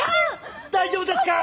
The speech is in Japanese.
大丈夫ですか！？